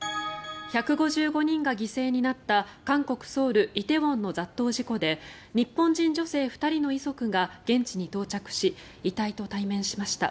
１５５人が犠牲になった韓国ソウル梨泰院の雑踏事故で日本人女性２人の遺族が現地に到着し遺体と対面しました。